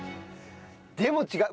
でも違う。